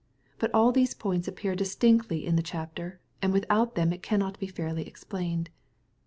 But all these points appear distinctly in the chapter, and without them it cannot be fairly explained.